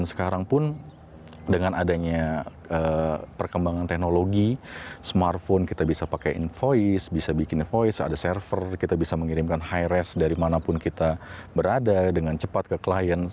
sekarang pun dengan adanya perkembangan teknologi smartphone kita bisa pakai invoice bisa bikin invoice ada server kita bisa mengirimkan high res dari manapun kita berada dengan cepat ke klien